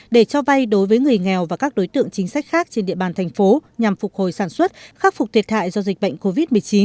để cho vay đối với người nghèo và các đối tượng chính sách khác trên địa bàn thành phố nhằm phục hồi sản xuất khắc phục thiệt hại do dịch bệnh covid một mươi chín